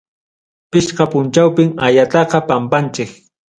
Pichqa punchawpim ayataqa pampanchik.